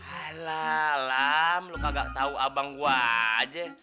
alah lam lu kagak tau abang gua aja